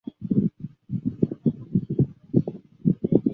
节目总监制是当时的央视体育部主任马国力。